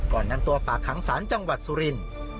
ก่อนนำตัวฝากหางศาลจังหวัดสุรินทร์